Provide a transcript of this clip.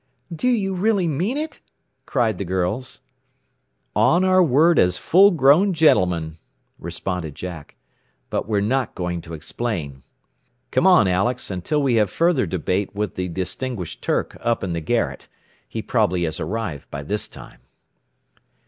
"Do you really mean it?" cried the girls. "On our word as full grown gentlemen," responded Jack. "But we're not going to explain. "Come on, Alex, until we have further debate with the distinguished Turk up in the garret. He probably has arrived by this time."